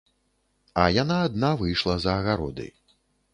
А яна адна выйшла за агароды.